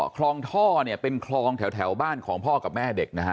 คลองท่อเนี่ยเป็นคลองแถวบ้านของพ่อกับแม่เด็กนะฮะ